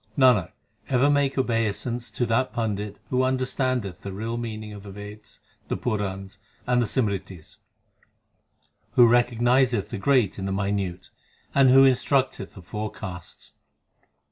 Nanak ever maketh obeisance to that Pandit Who understandeth the real meaning of the Veds, the Purans, and the Simritis, Who recognizeth the great in the minute, 1 And who instructeth the four castes.